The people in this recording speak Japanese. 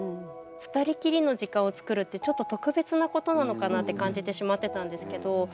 二人きりの時間を作るってちょっと特別なことなのかなって感じてしまってたんですけど